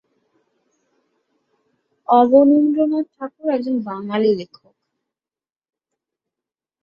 অবনীন্দ্রনাথ ঠাকুর একজন বাঙালি লেখক।